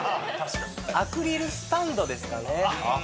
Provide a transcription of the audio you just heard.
アクリルスタンドですかね。